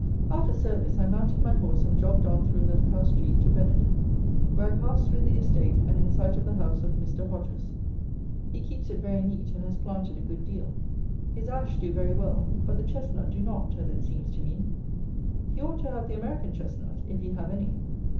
After "service" I mounted my horse and jogged on through Milkhouse Street to Benenden, where I passed through the estate, and in sight of the house of Mr. Hodges. He keeps it very neat and has planted a good deal. His ash do very well; but the chestnut do not, as it seems to me. He ought to have the American chestnut, if he have any.